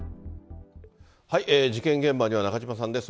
事件現場には中島さんです。